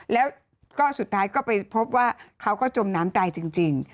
แล้วก็สุดท้ายก็ไปพบว่าเขาก็จมน้ำตายจริง